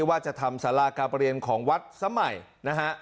ว่าจะทำสลากกาเปรียญของวัดสมัยนะฮะ